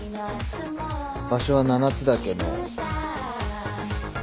場所は七ツ岳の。